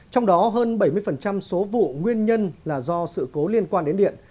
trong đó hơn bảy mươi số vụ nguyên nhân là do sự cố liên quan đến điện